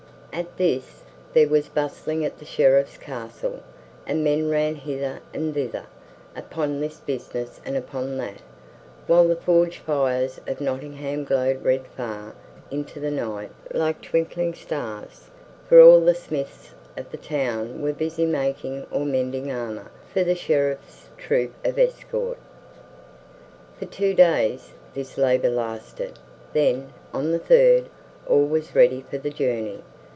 At this there was bustling at the Sheriff's castle, and men ran hither and thither upon this business and upon that, while the forge fires of Nottingham glowed red far into the night like twinkling stars, for all the smiths of the town were busy making or mending armor for the Sheriff's troop of escort. For two days this labor lasted, then, on the third, all was ready for the journey.